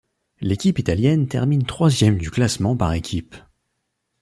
L'équipe italienne termine troisième du classement par équipes.